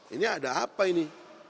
ini ada apa ini